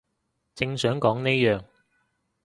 正想講呢樣